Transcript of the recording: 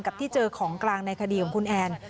ที่เจอของกลางในคดีของคุณแอน